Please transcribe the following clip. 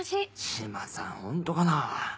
島さんホントかな？